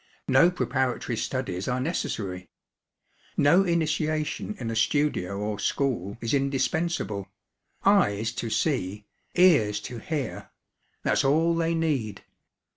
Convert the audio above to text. No preparatory studies are necessary; no initiation in a studio or school is indispensable; eyes to see, ears to hear that's all they need.